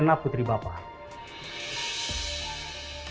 tapi mungkin tidak kollege